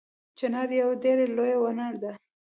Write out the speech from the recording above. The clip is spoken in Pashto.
چنار یوه ډیره لویه ونه ده